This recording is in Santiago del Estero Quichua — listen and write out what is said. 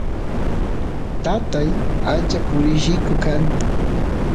tatay ancha purilliku kan